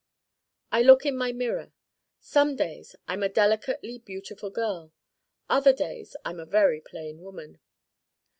I look in my mirror. Some days I'm a delicately beautiful girl. Other days I'm a very plain woman.